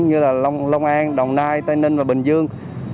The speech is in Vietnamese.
như là long an đồng nai tây ninh và bình dương